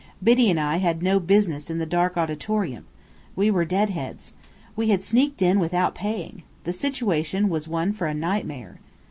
Biddy and I had no business in the dark auditorium. We were deadheads. We had sneaked in without paying. The situation was one for a nightmare.